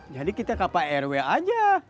jadi kita ke pak rw aja